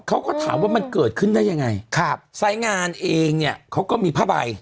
เขาก็ถามว่ามันเกิดขึ้นได้ยังไงครับสายงานเองเนี่ยเขาก็มีผ้าใบ